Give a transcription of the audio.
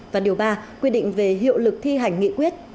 và điều ba quy định về hiệu lực thi hành nghị quyết